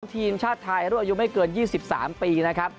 ทีมชาติไทยรุ่นอายุไม่เกิน๒๓ปีนะครับ